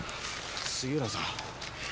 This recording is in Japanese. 杉浦さん。